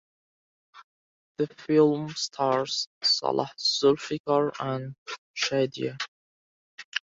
The film stars Salah Zulfikar and Shadia.